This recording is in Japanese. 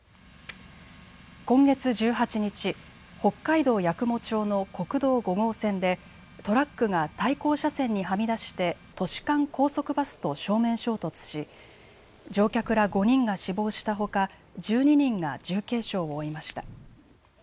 今月１８日、北海道八雲町の国道５号線でトラックが対向車線にはみ出して都市間高速バスと正面衝突し乗客ら５人が死亡したほか１２人が重軽傷を負いました。